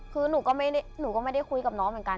คือหนูก็ไม่ได้คุยกับน้องเหมือนกัน